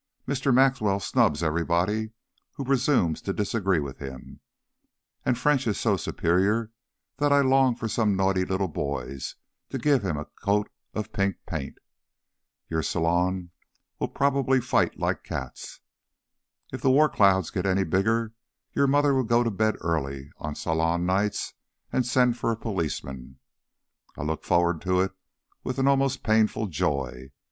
Mr. Maxwell snubs everybody who presumes to disagree with him, and French is so superior that I long for some naughty little boys to give him a coat of pink paint. Your salon will probably fight like cats. If the war cloud gets any bigger, your mother will go to bed early on salon nights and send for a policeman. I look forward to it with an almost painful joy.